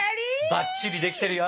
ばっちりできてるよ！